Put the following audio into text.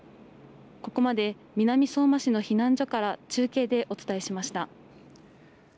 ここまで南相馬市の避難所から中継でお伝えしました。